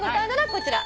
こちら。